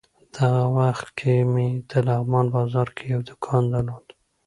دغه وخت کې مې د لغمان بازار کې یو دوکان درلود.